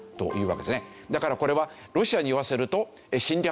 だからこれはロシアに言わせると。